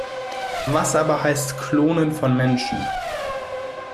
Was aber heißt Klonen von Menschen?